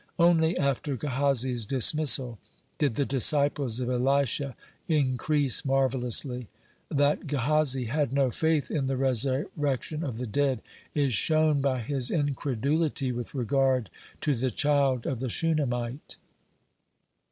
Only after Gehazi's dismissal did the disciples of Elisha increase marvellously. That Gehazi had no faith in the resurrection of the dead, is shown by his incredulity with regard to the child of the Shunammite.